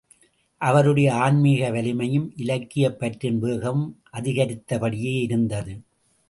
அவருடைய ஆன்மிக வலிமையும், இலக்கியப் பற்றின் வேகமும் அதிகரித்த படியே இருந்தது.